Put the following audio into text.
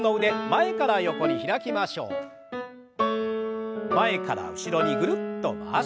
前から後ろにぐるっと回して。